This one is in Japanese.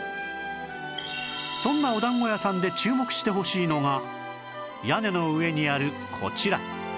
そんなお団子屋さんで注目してほしいのが屋根の上にあるこちら